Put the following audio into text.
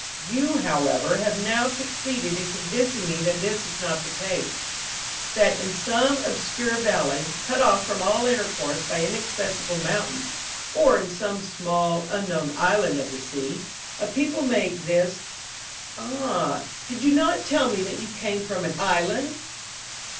You, however, have now succeeded in convincing me that this is not the case; that in some obscure valley, cut off from all intercourse by inaccessible mountains, or in some small, unknown island of the sea, a people may exist ah, did you not tell me that you came from an island?"